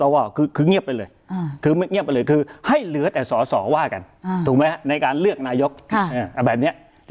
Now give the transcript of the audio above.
ถ้างั้นสองร้อยห้าสิบสอวอคือยังเงียบไปเลยคือให้เหลือแต่สอสอว่ากันถูกไหมฮะในการเลือกนายกนะคะแบบนี้